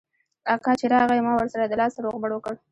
اکا چې راغى ما ورسره د لاس روغبړ وکړ.